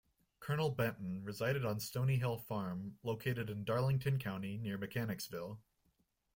Colonel Benton resided on Stoney Hill Farm, located in Darlington County near Mechanicsville.